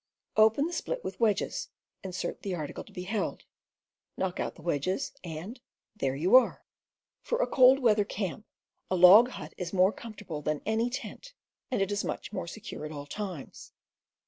Open the split with wedges, insert the article to be held, knock out the wedges, and — there you are. For a cold weather camp, a log hut is more comfort able than any tent, and it is much more secure at all times.